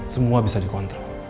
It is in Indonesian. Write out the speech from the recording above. semua bisa dikontrol